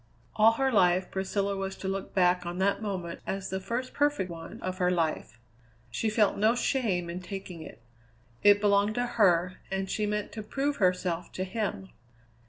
All her life Priscilla was to look back on that moment as the first perfect one of her life. She felt no shame in taking it. It belonged to her, and she meant to prove herself to him.